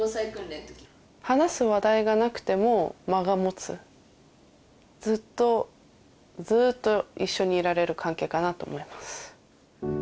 話す話題がなくても間が持つずっとずっと一緒にいられる関係かなと思います